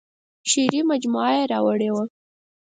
شعري مجموعه یې راوړې وه.